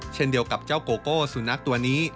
เช่นเดียวกับเจ้าโกโก้สุนัขตัวนี้